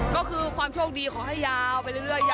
ก็คือความโชคดีขอให้ยาวไปเรื่อย